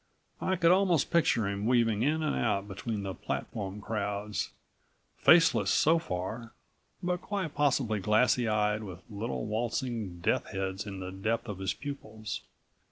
I could almost picture him weaving in and out between the platform crowds faceless so far, but quite possibly glassy eyed with little waltzing death heads in the depth of his pupils.